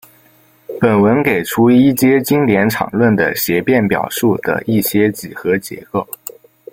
本文给出一阶经典场论的协变表述的一些几何结构。